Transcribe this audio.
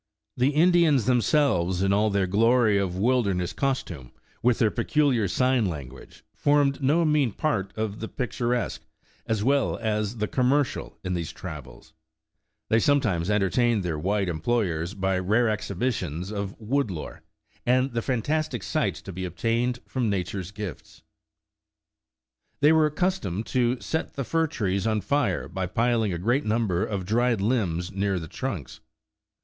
The Indians, themselves, in all their glory of wilder ness costume, with their peculiar sign language, formed no inean part of the picturesque, as well as the commer cial, in these travels. They sometimes entertained their white employers by rare exhibitions of woodlore, and the fantastic sights to be obtained from nature's gifts. 100 Traversing the Wilderness They were accustomed to set the fir trees on fire by piling a great number of dried limbs near the trunks.